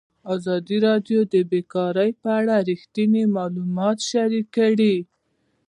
ازادي راډیو د بیکاري په اړه رښتیني معلومات شریک کړي.